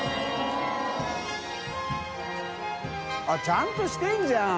△ちゃんとしてるじゃん。